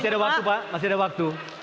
masih ada waktu pak masih ada waktu